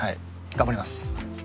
頑張ります。